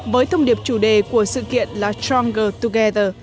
với thông điệp chủ đề của sự kiện là stronger together